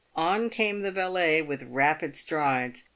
On came the valet with rapid strides.